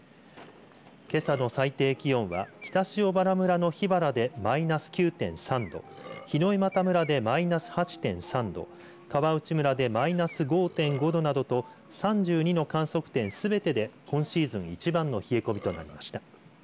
けさの最低気温は北塩原村の桧原でマイナス９．３度檜枝岐村でマイナス８．３度川内村でマイナス５．５度などと３２の観測点すべてで今シーズン一番の冷え込みとなりました。